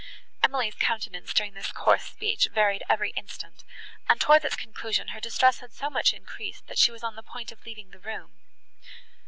Emily's countenance, during this coarse speech, varied every instant, and, towards its conclusion, her distress had so much increased, that she was on the point of leaving the room.